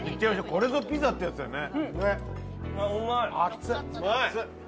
これぞピザってやつだね。